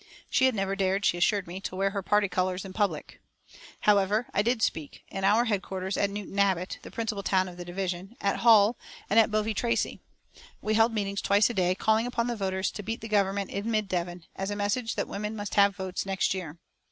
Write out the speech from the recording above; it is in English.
She had never dared, she assured me, to wear her party colours in public. However, I did speak in our headquarters at Newton Abbott, the principal town of the division, at Hull, and at Bovey Tracey. We held meetings twice a day, calling upon the voters to "beat the Government in Mid Devon, as a message that women must have votes next year."